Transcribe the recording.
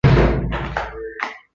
清朝品等为从一品。